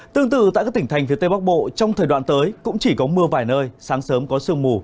tương tự tại các tỉnh thành phía tây bắc bộ trong thời đoạn tới cũng chỉ có mưa vài nơi sáng sớm có sương mù